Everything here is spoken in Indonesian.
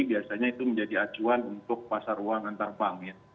biasanya itu menjadi acuan untuk pasar uang antar bank ya